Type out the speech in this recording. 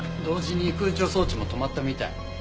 同時に空調装置も止まったみたい。